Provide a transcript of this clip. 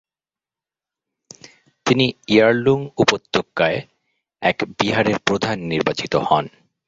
তিনি ইয়ার্লুং উপত্যকায় এক বিহারের প্রধান নির্বাচিত হন।